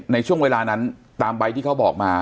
ในช่วงเวลานั้นตามใบที่เขาบอกมา